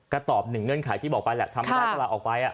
ก็ตอบ๑เงื่อนไขที่บอกไปแหละทำแต่ว่าเวลาออกไป